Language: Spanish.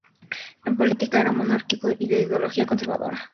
En política era monárquico y de ideología conservadora.